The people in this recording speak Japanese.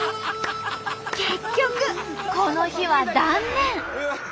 結局この日は断念。